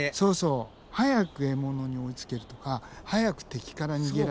早く獲物に追いつけるとか早く敵から逃げられる。